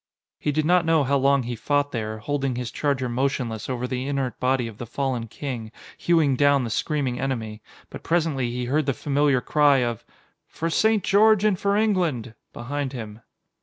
He did not know how long he fought there, holding his charger motionless over the inert body of the fallen king, hewing down the screaming enemy, but presently he heard the familiar cry of "For St. George and for England" behind him.